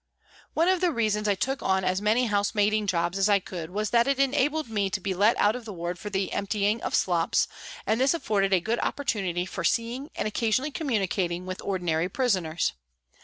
One of the reasons I took on as many house maiding jobs as I could was that it enabled me to be let out of the ward for the emptying of slops, and this afforded a good opportunity for seeing and occasionally communicating with ordinary prisoners.